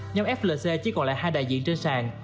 nhóm flc chỉ còn lại hai đại diện trên sàn